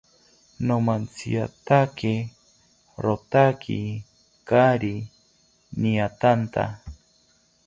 Nomantziatake rotaki kaari niatanta